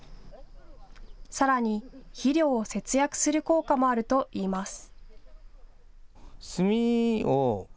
さらに肥料を節約する効果もあるといいます。